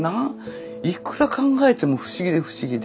いくら考えても不思議で不思議で。